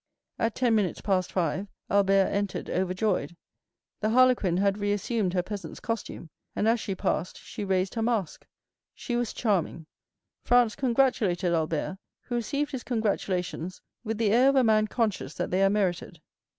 At ten minutes past five Albert entered overjoyed. The harlequin had reassumed her peasant's costume, and as she passed she raised her mask. She was charming. Franz congratulated Albert, who received his congratulations with the air of a man conscious that they are merited.